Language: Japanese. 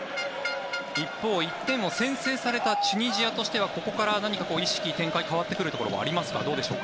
一方、１点を先制されたチュニジアとしてはここから何か意識、展開変わってくるところはありますか？